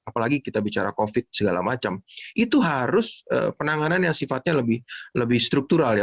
apalagi kita bicara covid segala macam itu harus penanganan yang sifatnya lebih struktural ya